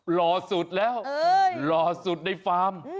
หล่อสุดแล้วหล่อสุดในฟาร์ม